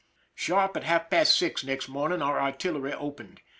Sharp at half past six next morning our artillery opened.